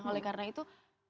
oleh karena itu